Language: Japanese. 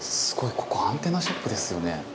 ここアンテナショップですよね？